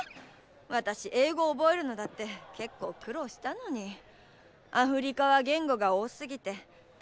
私英語覚えるのだって結構苦労したのにアフリカは言語が多すぎて途方に暮れちゃって。